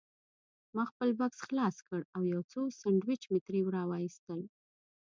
ما خپل بکس خلاص کړ او یو څو سنډوېچ مې ترې راوایستل.